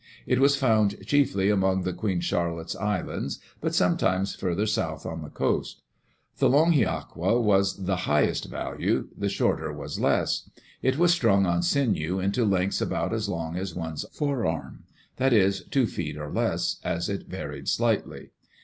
It was found chiefly among the Queen Charlotte's Islands, but sometimes furdier south on the coast. The long hiaqua was of the highest value; the shorter was less. It was strung on sinew into lengths about as long as one's forearm; that is, two feet or less, as it varied slightly.